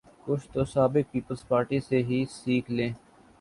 کچھ سبق پیپلزپارٹی سے ہی سیکھ لیں۔